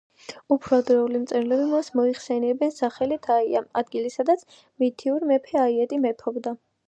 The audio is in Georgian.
უფრო ადრეული მწერლები მას მოიხსენიებენ სახელით „აია“, ადგილი სადაც მითური მეფე აიეტი მეფობდა.